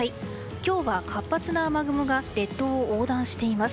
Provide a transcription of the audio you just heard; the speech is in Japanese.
今日は活発な雨雲が列島を横断しています。